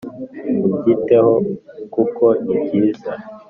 ubyiteho kuko ni byiza